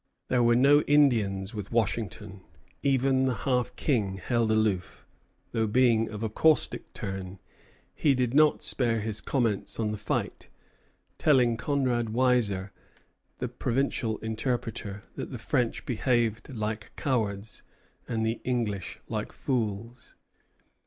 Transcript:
There were no Indians with Washington. Even the Half King held aloof; though, being of a caustic turn, he did not spare his comments on the fight, telling Conrad Weiser, the provincial interpreter, that the French behaved like cowards, and the English like fools.